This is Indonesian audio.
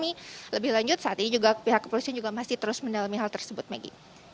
jadi kami lebih lanjut saat ini juga pihak kepolisian juga masih terus mendalami hal tersebut maggie